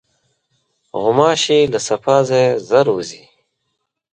غوماشې له صفا ځایه ژر وځي.